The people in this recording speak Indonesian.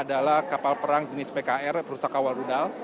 yaitu adalah kapal perang jenis pkr perusahaan kawal rudal